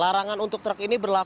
larangan untuk truk ini berlaku